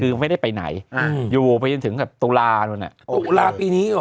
คือไม่ได้ไปไหนอยู่ไปยังถึงกับตุลาตุลาปีนี้หรอ